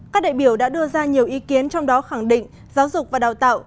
các đại biểu đã đưa ra nhiều ý kiến trong đó khẳng định giáo dục và đào tạo